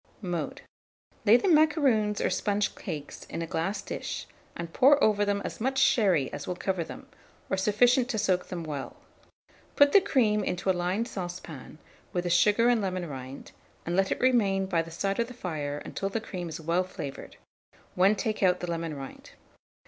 Mode. Lay the macaroons or sponge cakes in a glass dish, and pour over them as much sherry as will cover them, or sufficient to soak them well. Put the cream into a lined saucepan, with the sugar and lemon rind, and let it remain by the side of the fire until the cream is well flavoured, when take out the lemon rind.